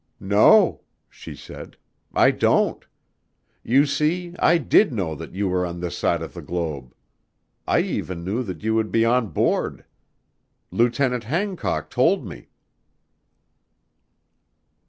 "No," she said, "I don't. You see I did know that you were on this side of the globe. I even knew that you would be on board. Lieutenant Hancock told me."